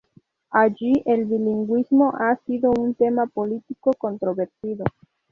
Allí, el bilingüismo ha sido un tema político controvertido.